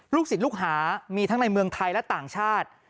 ศิลปลูกหามีทั้งในเมืองไทยและต่างชาติ